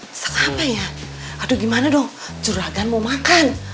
masak apa ya aduh gimana dong curagan mau makan